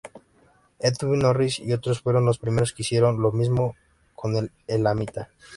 Edwin Norris y otros fueron los primeros que hicieron lo mismo con el elamita.